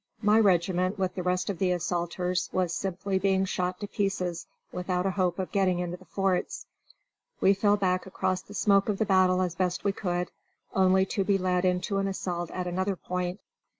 My regiment, with the rest of the assaulters, was simply being shot to pieces without a hope of getting into the forts. We fell back under the smoke of the battle as best we could, only to be led into an assault at another point.